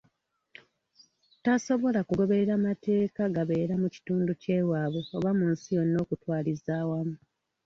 Tasobola kugoberera mateeka gabeera mu kitundu ky'ewaabwe oba mu nsi yonna okutwalizaawamu.